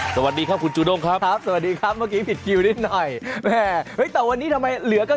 สวัสดีครับคุณจูด้งครับครับสวัสดีครับเมื่อกี้ผิดคิวนิดหน่อยแม่เฮ้ยแต่วันนี้ทำไมเหลือก็